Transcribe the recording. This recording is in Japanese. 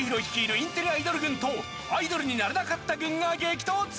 インテリアイドル軍とアイドルになれなかった軍が激突！